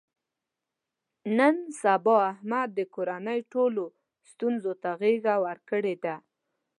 نن سبا احمد د کورنۍ ټولو ستونزو ته غېږه ورکړې ده.